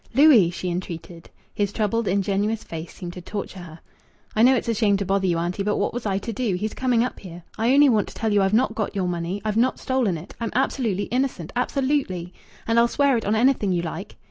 "Louis!" she entreated. His troubled, ingenuous face seemed to torture her. "I know it's a shame to bother you, auntie. But what was I to do? He's coming up here. I only want to tell you I've not got your money. I've not stolen it. I'm absolutely innocent absolutely. And I'll swear it on anything you like."